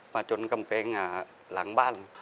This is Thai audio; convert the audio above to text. มาจนกำเฟ้งหลังบ้าน